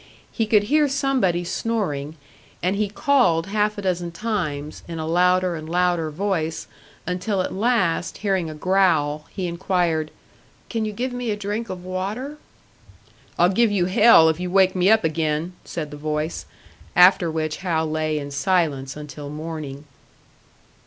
He could hear somebody snoring, and he called half a dozen times, in a louder and louder voice, until at last, hearing a growl, he inquired, "Can you give me a drink of water?" "I'll give you hell if you wake me up again," said the voice; after which Hal lay in silence until morning.